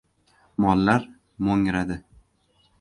Mollar mo‘ngradi.